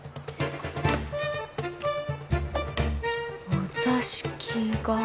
お座敷が。